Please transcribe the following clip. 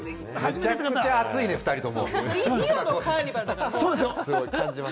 めちゃくちゃ熱いね、２人共。